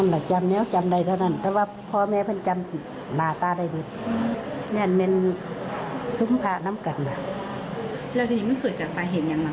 แล้วทีนี้มันเกิดจากสาเหตุยังมั้ยคือว่า